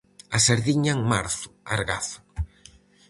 A sardiña en marzo, argazo.